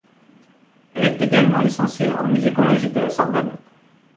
Elle est également licenciée en musicologie de la Sorbonne.